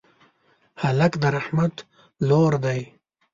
هلک د رحمت لور دی.